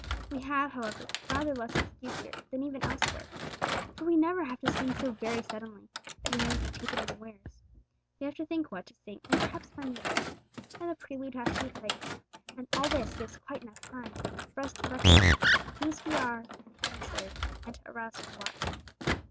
We have, however, rather less excuse here than even elsewhere. For we never have to sing so very suddenly that we need be taken unawares. We have to think what to sing, and perhaps find the music, and the prelude has to be played, and all this gives quite enough time for us to recollect whose we are and whom we serve, and to arouse to the watch.